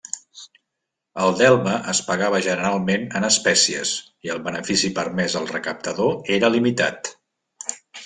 El delme es pagava generalment en espècies i el benefici permès al recaptador era limitat.